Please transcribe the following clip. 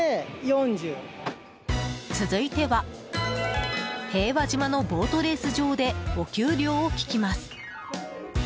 続いては平和島のボートレース場でお給料を聞きます。